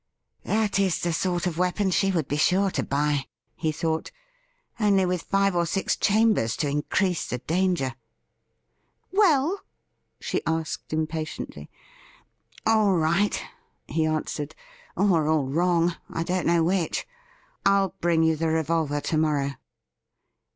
' That is the sort of weapon she would be sure to buy,' he thought —' only with five or six chambers to increase the danger.' ' Well ?' she asked impatiently. ' All right,' he answered, ' or all wrong — ^I don't know which — ^I'll bring you the revolver to morrow.'